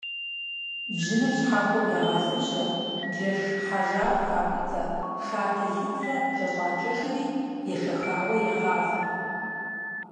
Бжьыныр щхьэхуэу ягъэлыбжьэ, джэш хьэжар хакӀутэ, шатэ литрэ кӀэщӀакӀэжри ешэхауэ ягъавэ.